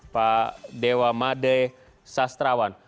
pak dewa made sastrawan